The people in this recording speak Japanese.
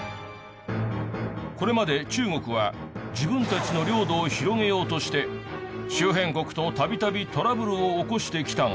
これまで中国は自分たちの領土を広げようとして周辺国と度々トラブルを起こしてきたが。